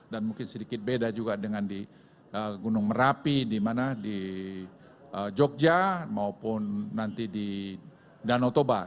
dan mungkin sedikit beda juga dengan di gunung merapi di jogja maupun nanti di danau toba